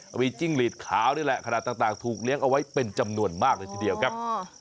จิ้งหลีดขาวนี่แหละขนาดต่างถูกเลี้ยงเอาไว้เป็นจำนวนมากเลยทีเดียวครับ